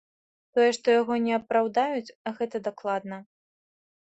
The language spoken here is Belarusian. Тое, што яго не апраўдаюць, гэта дакладна.